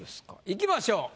いきましょう。